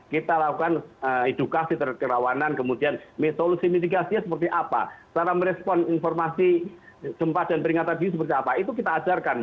kita lakukan edukasi kerawanan kemudian solusi mitigasinya seperti apa cara merespon informasi gempa dan peringatan di seperti apa itu kita ajarkan